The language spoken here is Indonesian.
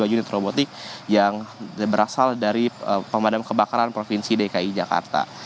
dua unit robotik yang berasal dari pemadam kebakaran provinsi dki jakarta